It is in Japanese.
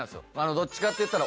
どっちかっていったら。